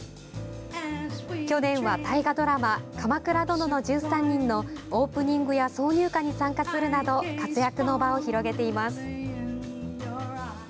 去年は大河ドラマ「鎌倉殿の１３人」のオープニングや挿入歌に参加するなど活躍の場を広げています。